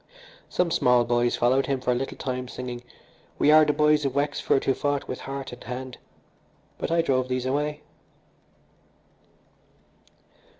Some small boys followed him for a little time singing, "We are the boys of Wexford who fought with heart and hand," but I drove these away.